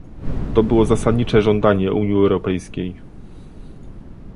To było zasadnicze żądanie Unii Europejskiej